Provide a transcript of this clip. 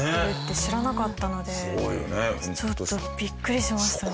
ちょっとビックリしましたね。